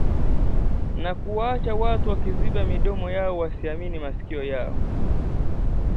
na kuwaacha watu wakiziba midomo yao wasiamini masikio yao